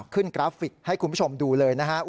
กราฟิกให้คุณผู้ชมดูเลยนะครับ